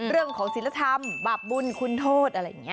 เรื่องของศิลธรรมบาปบุญคุณโทษอะไรอย่างนี้